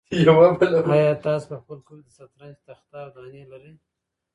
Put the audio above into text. آیا تاسو په خپل کور کې د شطرنج تخته او دانې لرئ؟